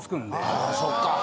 ああそっか。